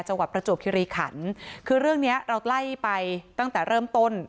ประจวบคิริขันคือเรื่องเนี้ยเราไล่ไปตั้งแต่เริ่มต้น